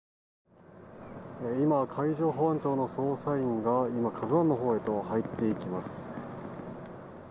今、海上保安庁の捜査員が「ＫＡＺＵ１」のほうへと入っていきます。